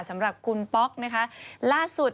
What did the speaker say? สำหรับคุณป๊อกนะคะล่าสุด